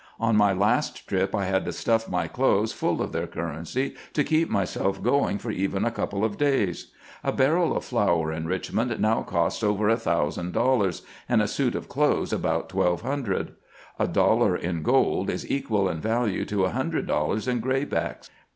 On my last trip I had to stuff my clothes full of their currency to keep myself going for even a couple of days. A barrel of flour in Richmond now costs over a thousand dollars, and a suit of clothes about twelve hundred, A dollar in gold is equal in value to a hundred dollars in graybacks.